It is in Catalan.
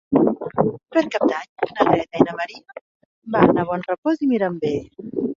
Per Cap d'Any na Greta i en Maria van a Bonrepòs i Mirambell.